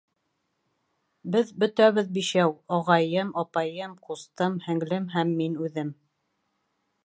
Беҙ бөтәбеҙ бишәү: ағайым, апайым, ҡустым, һеңлем һәм мин үҙем.